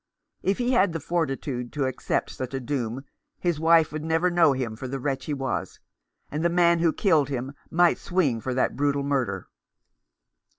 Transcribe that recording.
If he had the fortitude to accept such a doom his wife need never know him for the wretch he was, and the man who killed him might swing for that brutal murder.